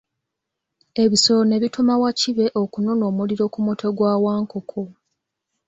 Ebisolo ne bituma Wakibe okunona omuliro ku mutwe gwa Wankoko.